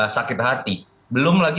sakit hati belum lagi